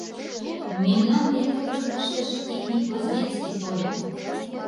Мемнан деке пӧрт ыштыше техник Гвоздецкий тольо.